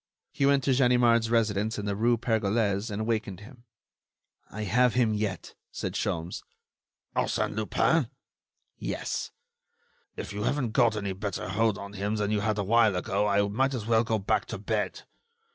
He went to Ganimard's residence in the rue Pergolese and wakened him. "I have him yet," said Sholmes. "Arsène Lupin?" "Yes." "If you haven't got any better hold on him than you had a while ago, I might as well go back to bed.